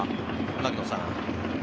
槙野さん。